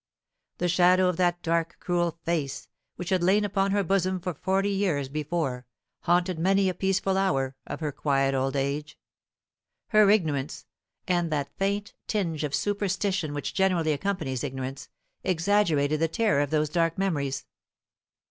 The shadow of that dark cruel face, which had lain upon her bosom forty years before, haunted many a peaceful hour of her quiet old age. Her ignorance, and that faint tinge of superstition which generally accompanies ignorance, exaggerated the terror of those dark memories.